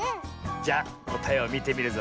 じゃあこたえをみてみるぞ。